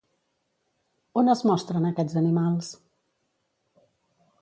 On es mostren aquests animals?